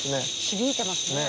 響いてますね。